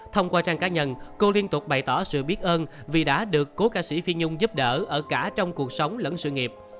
thông qua trang cá nhân cô liên tục bày tỏ sự biết ơn vì đã được cố ca sĩ phi nhung giúp đỡ ở cả trong cuộc sống lẫn sự nghiệp